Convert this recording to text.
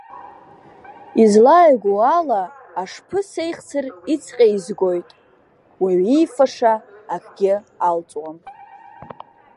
Излааигәоу ала ашԥы сеихсыр ицҟьа изгоит, уаҩ иифаша акгьы алҵуам!